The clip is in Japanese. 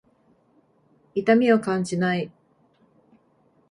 痛みを感じない。